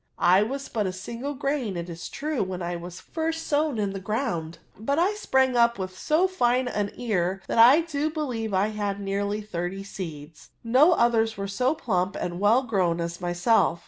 I was but a single grain, it is true, when I was first sown in the ground, but I sprang up with so fine an ear that I do believe I had nearly thirty seeds; no others were so plump and well grown as myself.